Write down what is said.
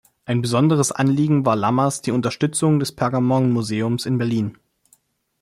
Ein besonderes Anliegen war Lammers die Unterstützung des Pergamonmuseums in Berlin.